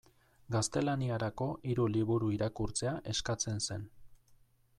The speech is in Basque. Gaztelaniarako hiru liburu irakurtzea eskatzen zen.